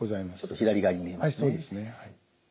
ちょっと左側に見えますね。